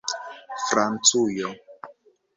francujo